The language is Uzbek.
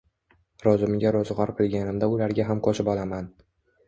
Roʻzimga roʻzgʻor qilganimda ularga ham qoʻshib olaman.